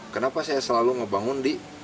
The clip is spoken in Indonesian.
kenapa saya selalu ngebangun di